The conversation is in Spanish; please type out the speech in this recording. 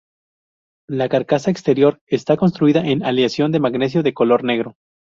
La carcasa exterior está construida en aleación de magnesio de color negro.